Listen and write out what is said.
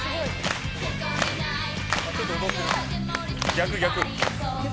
逆逆。